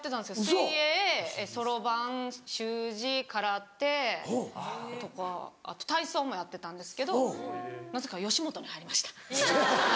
水泳そろばん習字空手とかあと体操もやってたんですけどなぜか吉本に入りました。